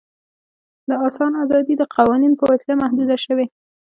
د انسان آزادي د قوانینو په وسیله محدوده شوې.